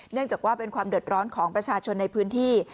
เนื่องจากว่าเป็นความเดือดร้อนของประชาชนในพื้นที่